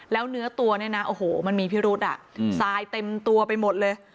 แล้วเนื้อตัวเนี่ยนะโอ้โหมันมีพิรุษทรายเต็มตัวไปหมดเลย